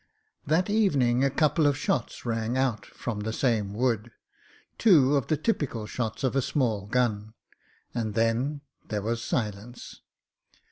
That evening a couple of shots rang out from the same wood, two of the typical shots of a small gun. And then there was silence.